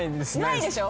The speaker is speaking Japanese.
ないでしょ？